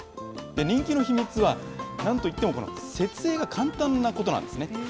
人気の秘密は、なんといってもこの設営が簡単なことなんですね。